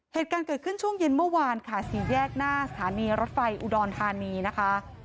เหตุการณ์เกิดขึ้นช่วงเย็นเมื่อวานค่ะสี่แยกหน้าสถานีรถไฟอุดรธานีนะคะ